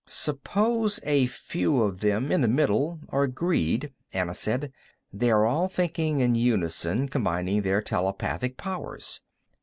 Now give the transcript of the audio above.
"Suppose a few of them, in the middle, are agreed," Anna said. "They are all thinking in unison, combining their telepathic powers.